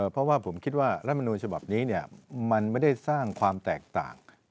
เพราะว่าผมคิดว่ารัฐมนุนฉบับนี้มันไม่ได้สร้างความแตกต่าง